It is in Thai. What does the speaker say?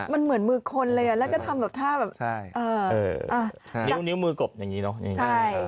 มันเหมือนมือคนเลยแล้วก็ทำแบบท่าแบบนิ้วมือกบอย่างนี้เนอะ